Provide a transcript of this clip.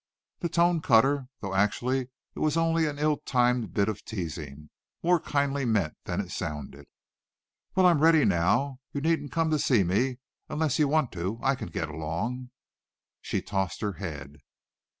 The tone cut her, though actually it was only an ill timed bit of teasing, more kindly meant than it sounded. "Well, I'm ready now. You needn't come to see me unless you want to. I can get along." She tossed her head.